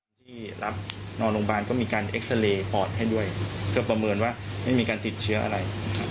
ที่รับนอนโรงพยาบาลก็มีการเอ็กซาเรย์ปอดให้ด้วยเพื่อประเมินว่าไม่มีการติดเชื้ออะไร